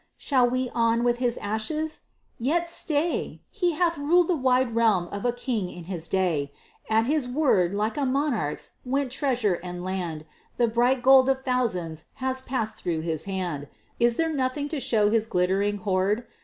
Shall we on with his ashes? Yet, stay! He hath ruled the wide realm of a king in his day! At his word, like a monarch's, went treasure and land The bright gold of thousands has pass'd through his hand. Is there nothing to show of his glittering hoard?